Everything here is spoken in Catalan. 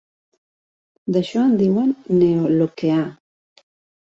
D'això en diuen "neolockeà".